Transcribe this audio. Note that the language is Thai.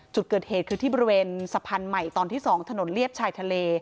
จุดเกิดเหตุคือที่บริเวณสะพานใหม่ตอนที่๒ถนนเลียบชายทะเล